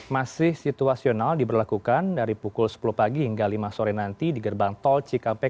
masih situasional diberlakukan dari pukul sepuluh pagi hingga lima sore nanti di gerbang tol cikampek